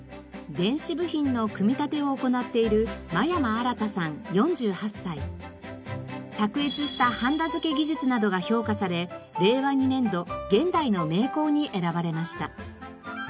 電子部品の組み立てを行っている卓越したはんだ付け技術などが評価され令和２年度現代の名工に選ばれました。